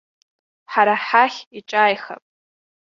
Ҳара ҳахь иҿааихап.